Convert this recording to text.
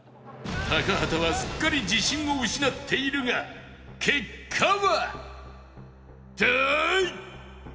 高畑はすっかり自信を失っているが結果は